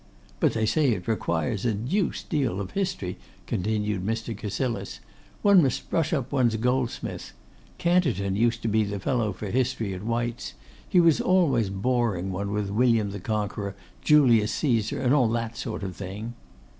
'But they say it requires a deuced deal of history,' continued Mr. Cassilis. 'One must brush up one's Goldsmith. Canterton used to be the fellow for history at White's. He was always boring one with William the Conqueror, Julius Caesar, and all that sort of thing.